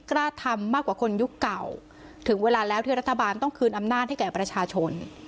กล้าทำมากกว่าคนยุคเก่าถึงเวลาแล้วที่รัฐบาลต้องคืนอำนาจให้แก่ประชาชน